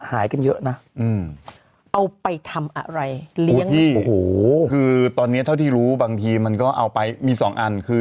หายกันเยอะนะเอาไปทำอะไรเลี้ยงพี่โอ้โหคือตอนนี้เท่าที่รู้บางทีมันก็เอาไปมีสองอันคือ